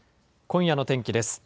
今夜の天気です。